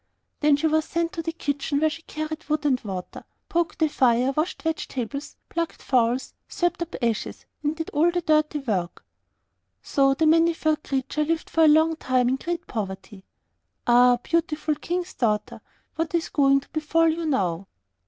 Then she was sent into the kitchen, where she carried wood and water, poked the fire, washed vegetables, plucked fowls, swept up the ashes, and did all the dirty work. So the Many furred Creature lived for a long time in great poverty. Ah, beautiful King's daughter, what is going to befall you now?